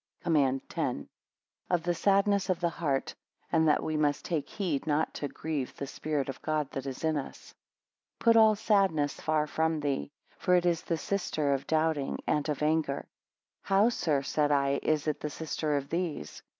COMMAND X. Of the sadness of the heart; and that we must take, heed not to grieve the spirit of God that is in us. PUT all sadness far from thee; for it is the sister of doubting and of anger. How, sir, said I is it the sister of these?